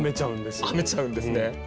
編めちゃうんですね。